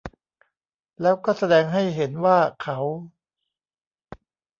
แล้วก็แสดงให้เห็นว่า เขา